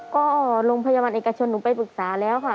ก็โรงพยาบาลเอกชนหนูไปปรึกษาแล้วค่ะ